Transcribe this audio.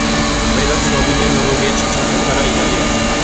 მეტად ცნობილია ნორვეგიაში, ჩეხეთსა და იტალიაში.